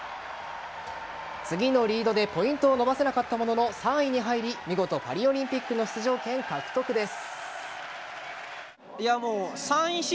次のリードでポイントを伸ばせなかったものの３位に入り見事、パリオリンピックの出場権獲得です。